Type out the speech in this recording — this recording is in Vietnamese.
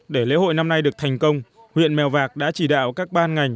để lễ hội năm nay được thành công huyện mèo vạc đã chỉ đạo các ban ngành